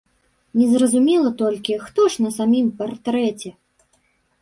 Незразумела толькі, хто ж на самім партрэце?